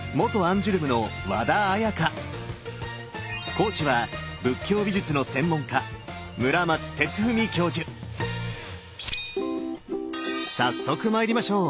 講師は仏教美術の専門家早速参りましょう！